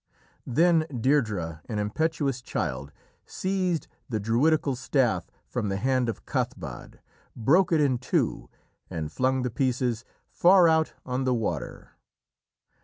Then Deirdrê, an impetuous child, seized the druidical staff from the hand of Cathbad, broke it in two, and flung the pieces far out on the water.